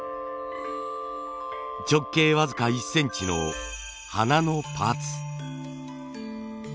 直径僅か１センチの花のパーツ。